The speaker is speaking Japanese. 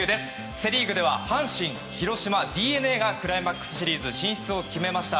セ・リーグでは阪神、広島、ＤｅＮＡがクライマックスシリーズ進出を決めました。